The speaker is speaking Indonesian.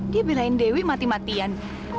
dia bilangin dewi mati matian